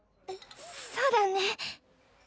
そうだね。